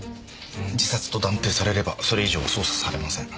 自殺と断定されればそれ以上捜査されません。